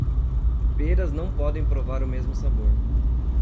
Peras não podem provar o mesmo sabor.